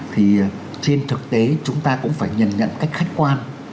thì trên thực tế chúng ta cũng phải nhận nhận cách khách quan